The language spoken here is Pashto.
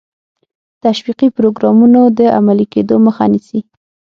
تشویقي پروګرامونو د عملي کېدو مخه نیسي.